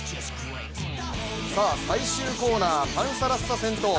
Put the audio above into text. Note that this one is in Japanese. さあ、最終コーナー、パンサラッサ先頭。